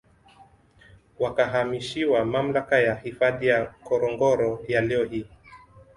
Wakahamishiwa Mamlaka ya Hifadhi ya Ngorongoro ya leo hii